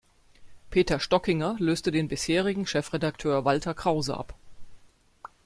Peter Stockinger löste den bisherigen Chefredakteur Walther Krause ab.